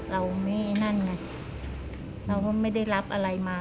เราไม่นั่นไงเราก็ไม่ได้รับอะไรมา